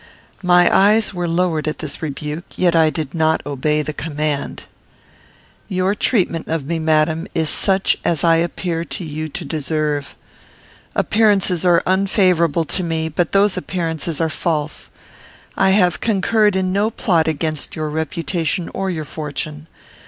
My eyes were lowered at this rebuke, yet I did not obey the command. "Your treatment of me, madam, is such as I appear to you to deserve. Appearances are unfavourable to me, but those appearances are false. I have concurred in no plot against your reputation or your fortune.